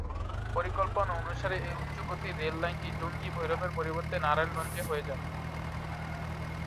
পরিকল্পনা অনুসারে, এই উচ্চগতির রেল লাইনটি টঙ্গী-ভৈরবের পরিবর্তে নারায়ণগঞ্জে হয়ে যাবে।